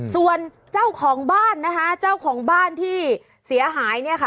ส่วนเจ้าของบ้านนะคะเจ้าของบ้านที่เสียหายเนี่ยค่ะ